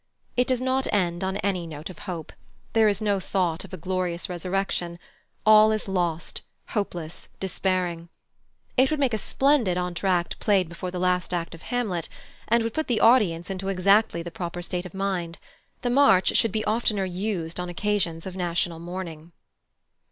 It does not end on any note of hope. There is no thought of a glorious resurrection all is lost, hopeless, despairing. It would make a splendid entr'acte played before the last act of Hamlet, and would put the audience into exactly the proper state of mind. The march should be oftener used on occasions of national mourning.